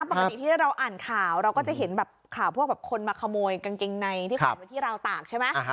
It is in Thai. ปกติที่เราอ่านข่าวเราก็จะเห็นแบบข่าวพวกแบบคนมาขโมยกางเกงในที่แขวนไว้ที่ราวตากใช่ไหม